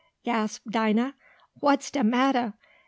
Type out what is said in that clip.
gasped Dinah. "What's de mattah?